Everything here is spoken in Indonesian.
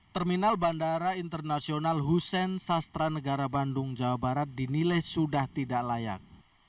terminal bandara internasional hussein sastra negara bandung jawa barat dinilai sudah tidak layak